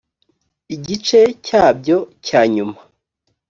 igice cya byo cya nyuma.